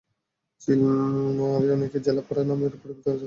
চিলমারীর অনেকেই জেলেপাড়া নামের পরিবর্তে বাসন্তীর গ্রাম বললেই যেন বেশি চেনে।